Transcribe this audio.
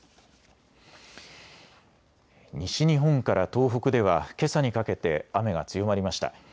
西日本から東北ではけさにかけて雨が強まりました。